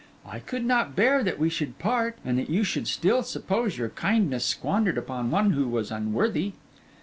I could not bear that we should part, and that you should still suppose your kindness squandered upon one who was unworthy.